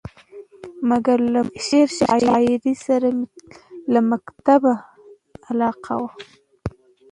مګر له شعر شاعرۍ سره مې له مکتبه علاقه وه.